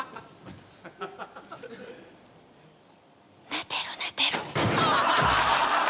寝てる寝てる。